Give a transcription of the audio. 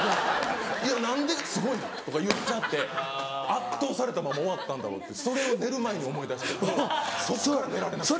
何で「すごいな」とか言っちゃって圧倒されたまま終わったんだろうってそれを寝る前に思い出してそこから寝られなくて。